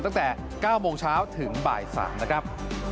ตั้งแต่๙โมงเช้าถึงบ่าย๓นะครับ